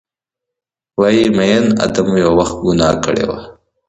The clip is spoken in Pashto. وایې ، میین ادم یو وخت ګناه کړي وه